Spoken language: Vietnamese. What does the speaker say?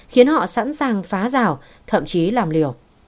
khiến họ sẵn sàng phá rào thậm chí làm liều